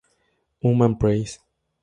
Human Press.